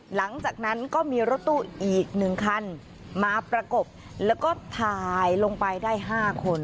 หลังจากนั้นก็มีรถตู้อีก๑คันมาประกบแล้วก็ถ่ายลงไปได้๕คน